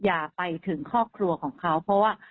อย่าไปถึงครอบครัวของเขาเพราะว่า